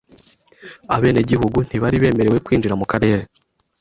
Abenegihugu ntibari bemerewe kwinjira mu karere .